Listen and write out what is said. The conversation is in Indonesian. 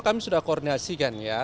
kami sudah koordinasikan ya